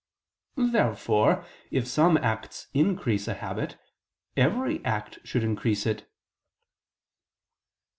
Therefore if some acts increase a habit, every act should increase it.